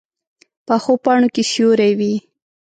پخو پاڼو کې سیوری وي